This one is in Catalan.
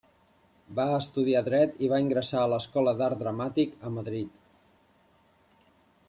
Va estudiar Dret i va ingressar a l'Escola d'Art Dramàtic en Madrid.